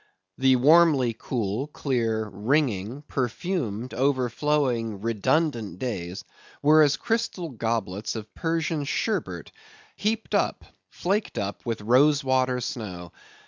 The warmly cool, clear, ringing, perfumed, overflowing, redundant days, were as crystal goblets of Persian sherbet, heaped up—flaked up, with rose water snow.